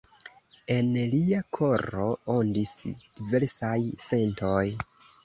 En lia koro ondis diversaj sentoj.